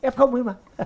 f ấy mà